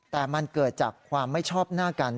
แต่มันเกิดจากความไม่ชอบหน้ากัน